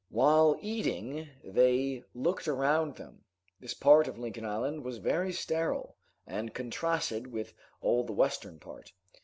While eating they looked around them. This part of Lincoln Island was very sterile, and contrasted with all the western part.